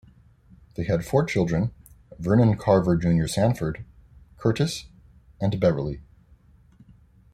They had four children, Vernon Carver Junior Sanford, Curtis, and Beverly.